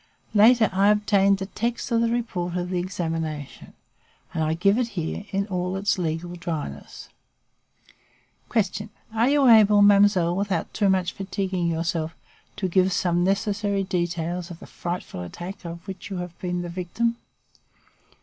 Later, I obtained the text of the report of the examination, and I give it here, in all its legal dryness: "Question. Are you able, mademoiselle, without too much fatiguing yourself, to give some necessary details of the frightful attack of which you have been the victim?